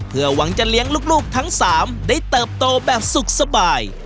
เพื่อหวังจะเลี้ยงลูกทั้ง๓ได้เติบโตแบบสุขสบาย